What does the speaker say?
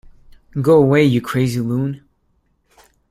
Go away, you crazy loon!